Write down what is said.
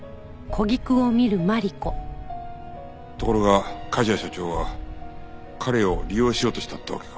ところが梶谷社長は彼を利用しようとしたってわけか。